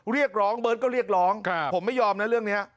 เรียกร้องเบิร์ตก็เรียกร้องผมไม่ยอมนะเรื่องนี้